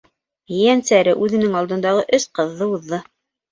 Ейәнсәре үҙенең алдындағы өс ҡыҙҙы уҙҙы.